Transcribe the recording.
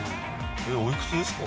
おいくつですか？